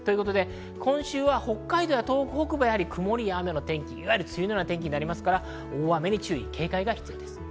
今週は北海道や東北北部は曇りや雨、梅雨のような天気になりますから、大雨に注意・警戒が必要です。